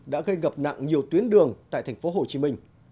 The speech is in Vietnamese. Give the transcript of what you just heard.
đã gây gặp nặng nhiều tuyến đường tại tp hcm